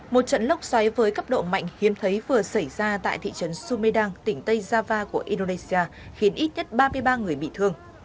một trận lốc xoáy với cấp độ mạnh hiếm thấy vừa xảy ra tại thị trấn sumedang tỉnh tây java của indonesia khiến ít nhất ba mươi ba người bị thương